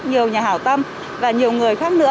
nhiều nhà hào tâm và nhiều người khác nữa